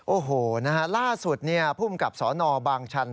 โอ้โหล่าสุดผู้มกับสนบางชัน